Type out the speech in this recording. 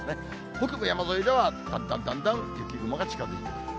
北部山沿いではだんだんだんだん雪雲が近づいてくる。